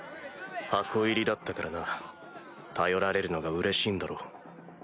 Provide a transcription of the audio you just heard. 箱入りだったからな頼られるのがうれしいんだろう。